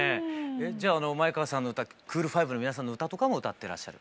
じゃあ前川さんの歌クール・ファイブの皆さんの歌とかも歌ってらっしゃる？